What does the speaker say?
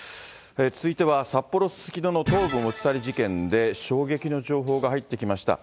続いては、札幌・すすきのの頭部持ち去り事件で、衝撃の情報が入ってきました。